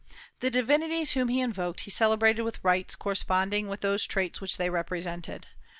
The divinities whom he invoked he celebrated with rites corresponding with those traits which they represented.